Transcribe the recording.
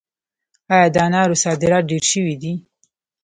آیا د انارو صادرات ډیر شوي دي؟